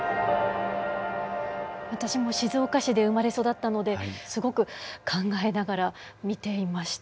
私も静岡市で生まれ育ったのですごく考えながら見ていました。